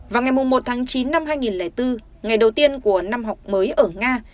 vào ngày một tháng chín năm hai nghìn bốn ngày đầu tiên của năm học mới ở nga